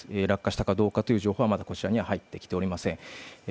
落下したかどうかという情報はまだこちらには入ってきておりません。